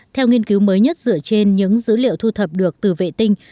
theo nghiên cứu mới nhất dựa trên những dữ liệu thu thập được từ vệ tinh